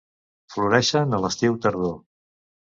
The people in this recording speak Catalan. Floreixen a l'estiu-tardor.